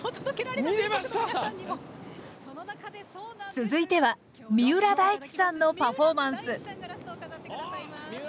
続いては三浦大知さんのパフォーマンス。